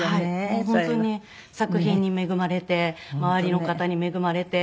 もう本当に作品に恵まれて周りの方に恵まれて。